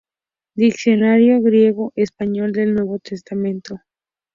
Diccionario griego-español del Nuevo Testamento.